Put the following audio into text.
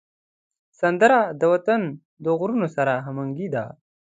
سندره د وطن د غرونو سره همږغي ده